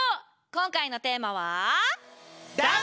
今回のテーマは。